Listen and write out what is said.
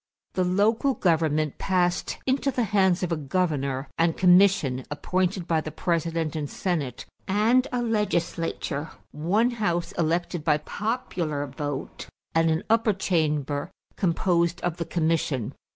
The local government passed into the hands of a governor and commission, appointed by the President and Senate, and a legislature one house elected by popular vote and an upper chamber composed of the commission.